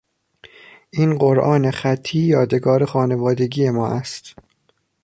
این قرآن خطی یادگار خانوادگی ما است.